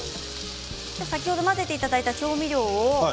先ほど混ぜていただいた調味料を。